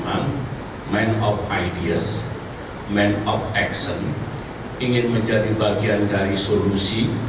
memang man of ideas man of action ingin menjadi bagian dari solusi